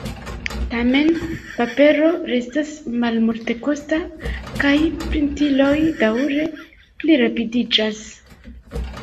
Tamen, papero restas malmultekosta, kaj printiloj daŭre plirapidiĝas.